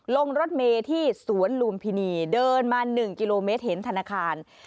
ลงรถเมที่สวนลุมพินีเดินมา๑กิโลเมตรเห็นธนาคาร